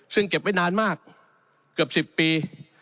ซึ่งเก็บไว้นานมากเกือบ๑๐ปี